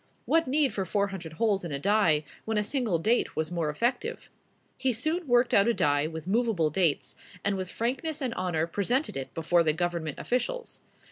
What need for four hundred holes in a die, when a single date was more effective? He soon worked out a die with movable dates, and with frankness and honor presented it before the Government officials.